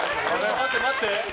待って、待って。